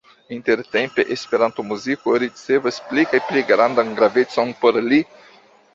Intertempe Esperanto-muziko ricevas pli kaj pli grandan gravecon por li.